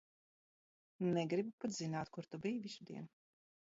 Negribu pat zināt, kur tu biji visu dienu.